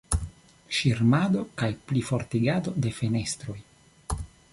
Ŝirmado kaj plifortigado de fenestroj.